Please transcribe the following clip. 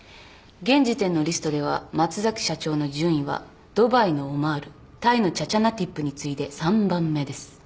現時点のリストでは松崎社長の順位はドバイのオマールタイのチャチャナティップに次いで３番目です。